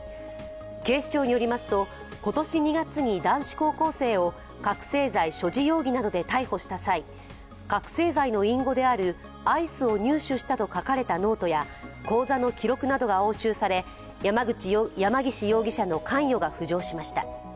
警視庁によりますと、今年２月に男子高校生を覚醒剤所持容疑などで逮捕した際、覚醒剤の隠語であるアイスを入手したと書かれたノートや口座の記録などが押収され山岸容疑者の関与が浮上しました。